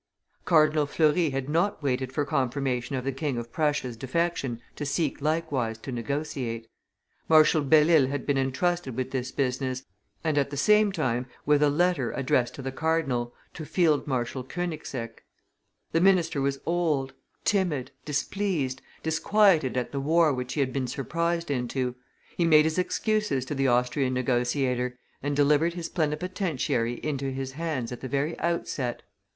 Cardinal Fleury had not waited for confirmation of the King of Prussia's defection to seek likewise to negotiate; Marshal Belle Isle had been intrusted with this business, and, at the same time with a letter addressed by the cardinal to Field Marshal Konigseck. The minister was old, timid, displeased, disquieted at the war which he had been surprised into; he made his excuses to the Austrian negotiator and delivered his plenipotentiary into his hands at the very outset.